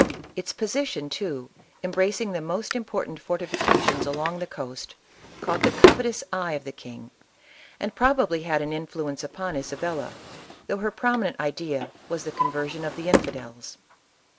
Its position too, embracing the most important fortifica tions along the coast, caught the covetous eye of the king, and probably had an influence upon Isabella, though her prominent idea was the conversion of the infidels.